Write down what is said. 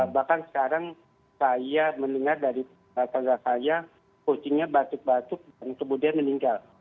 bahkan sekarang saya mendengar dari tangga saya kucingnya batuk batuk dan kemudian meninggal